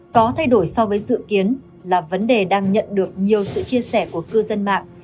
có thay đổi so với dự kiến là vấn đề đang nhận được nhiều sự chia sẻ của cư dân mạng